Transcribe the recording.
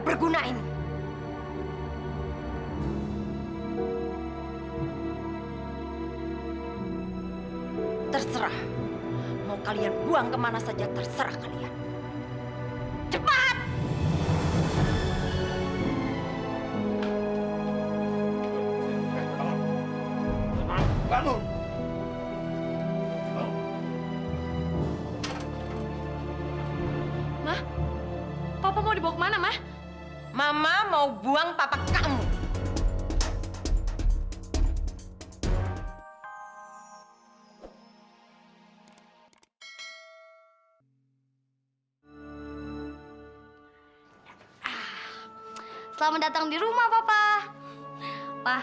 pak kalau misalnya papa perlu apa apa